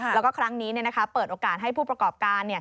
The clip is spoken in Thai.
แล้วก็ครั้งนี้เปิดโอกาสให้ผู้ประกอบการ